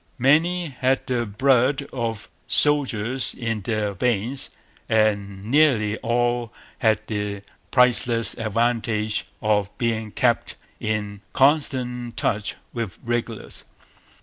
Many had the blood of soldiers in their veins; and nearly all had the priceless advantage of being kept in constant touch with regulars.